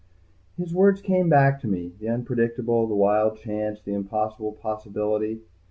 His words came back to me. The unpredictable, the wild chance, the impossible possibility.